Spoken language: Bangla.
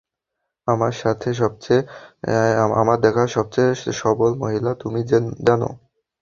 আমার দেখা সবচেয়ে সবল মহিলা তুমি, জানো?